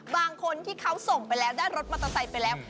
บางคนที่เขาส่งไปแล้วได้รถมอเตอร์ไซค์ไปแล้ว